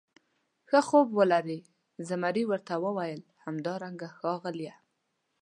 ښه خوب ولرې، زمري ورته وویل: همدارنګه ښاغلی.